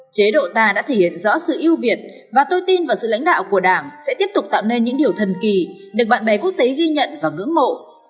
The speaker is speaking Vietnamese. chế độ ta đã thể hiện rõ sự yêu việt và tôi tin vào sự lãnh đạo của đảng sẽ tiếp tục tạo nên những điều thần kỳ được bạn bè quốc tế ghi nhận và ngưỡng mộ